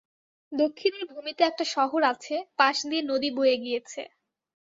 দক্ষিণের ভূমিতে একটা শহর আছে, পাশ দিয়ে নদী বয়ে গিয়েছে।